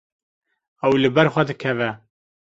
Ew li ber xwe dikeve.